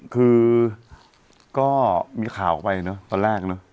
คือก็มีข่าวออกไปเนอะตอนแรกเนอะ